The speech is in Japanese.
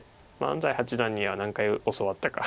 安斎八段には何回教わったか。